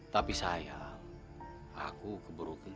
tapi sayang aku keburu kegag